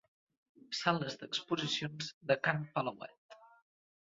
Sales d'exposicions de Can Palauet.